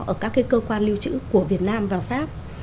ở các cơ quan lưu trữ của việt nam và pháp